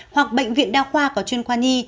hoặc bệnh viện đa khoa có chuyên khoa nhi